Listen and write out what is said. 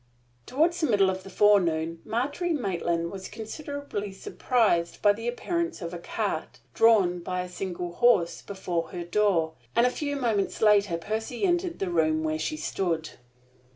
Toward the middle of the forenoon Margery Maitland was considerably surprised by the appearance of a cart, drawn by a single horse, before her door; and a few moments later Percy entered the room where she stood.